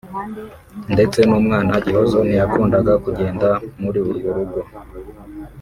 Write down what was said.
ndetse n’umwana (Gihozo) ntiyakundaga kugenda muri urwo rugo